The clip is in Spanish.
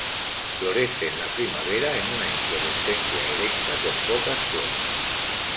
Florece en la primavera en una inflorescencia erecta con pocas flores.